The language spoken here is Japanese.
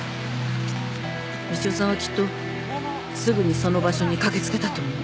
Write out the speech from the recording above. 道夫さんはきっとすぐにその場所に駆け付けたと思う。